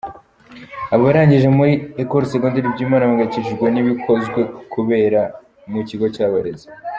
Abarangije muri E S Byimana bahangayikishijwe n’ibikoje kubera mu kigo cyabareze.